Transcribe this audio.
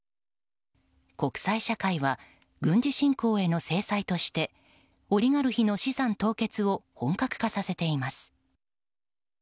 国際社会は軍事侵攻への制裁としてオリガルヒの資産凍結を本格化させています。